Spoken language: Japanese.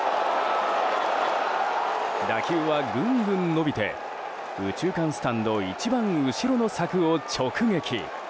打球はぐんぐん伸びて右中間スタンド一番後ろの柵を直撃。